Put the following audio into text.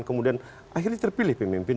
kemudian akhirnya terpilih pemimpin